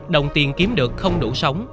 đồng tiền kiếm được không đủ sống